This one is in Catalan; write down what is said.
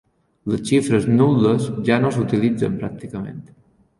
Les xifres nul·les ja no s"utilitzen pràcticament.